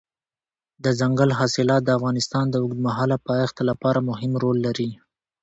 دځنګل حاصلات د افغانستان د اوږدمهاله پایښت لپاره مهم رول لري.